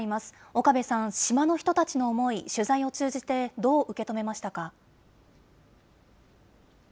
岡部さん、島の人たちの思い、取材を通じて、どう受け止めましたか。